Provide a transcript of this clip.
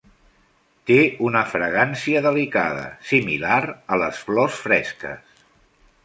Té una fragància delicada similar a les flors fresques.